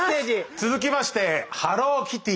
続きましてハローキティ。